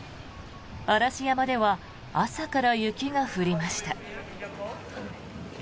嵐山では朝から雪が降りました。